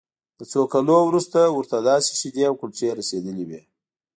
له څو کلونو وروسته ورته داسې شیدې او کلچې رسیدلې وې